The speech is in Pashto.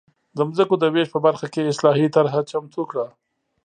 د ځمکو د وېش په برخه کې اصلاحي طرحه چمتو کړه.